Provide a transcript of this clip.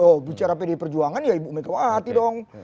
oh bicara pdi perjuangan ya ibu megawati dong